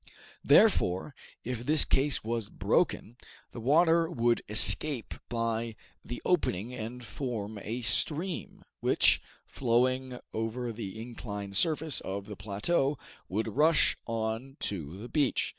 Therefore, if this case was broken, the water would escape by the opening and form a stream, which, flowing over the inclined surface of the plateau, would rush on to the beach.